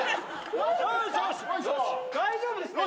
大丈夫ですか？